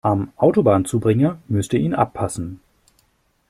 Am Autobahnzubringer müsst ihr ihn abpassen.